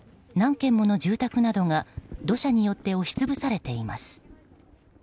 軒もの住宅などが土砂によって押し潰されています。